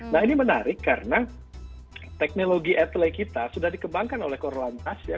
nah ini menarik karena teknologi etle kita sudah dikembangkan oleh korlantas ya